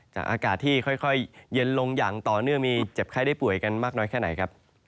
อากาศที่ค่อยเย็นลงอย่างต่อเนื่องมีเจ็บไข้ได้ป่วยกันมากน้อยแค่ไหนครับ